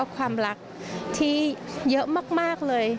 ความรักที่เยอะมากเลย